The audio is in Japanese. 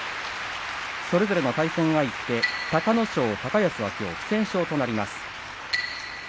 それぞれの対戦相手隆の勝と高安は不戦勝となります。